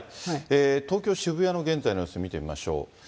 東京・渋谷の現在の様子見てみましょう。